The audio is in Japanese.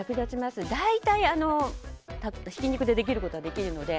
大体、ひき肉でできることはできるので。